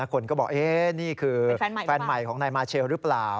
คนก็บอกนี่คือแฟนใหม่ของนายมาเชลหรือเปล่า